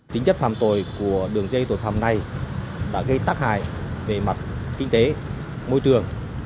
tính chất phạm tội của đường dây tội phạm này đã gây tắc hại về mặt kinh tế môi trường